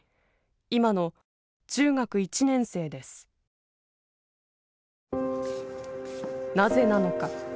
今の中学１年生ですなぜなのか。